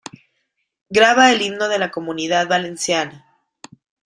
Graba el Himno de la Comunidad Valenciana.